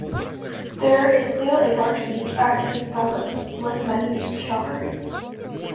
There is still a large beach at Gustavus, with many strawberries.